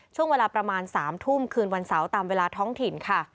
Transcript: ช่วงเวลาประมาณ๓ทุ่มคืนวันเสาร์ตามเวลาท้องถิ่นค่ะ